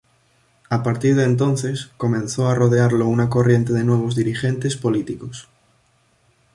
A partir de entonces, comenzó a rodearlo una corriente de nuevos dirigentes políticos.